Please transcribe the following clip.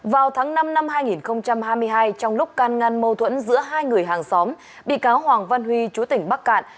vào tháng năm năm hai nghìn hai mươi hai trong lúc can ngăn mâu thuẫn giữa hai người hàng xóm bị cáo hoàng văn huy chú tỉnh bắc cạn